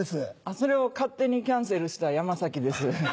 それを勝手にキャンセルした山崎です。